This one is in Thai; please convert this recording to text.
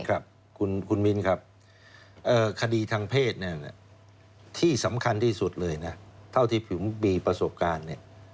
ครับคุณมิ้นครับคดีทางเพศที่สำคัญที่สุดเลยนะเท่าที่ผมมีประสบการณ์เนี่ย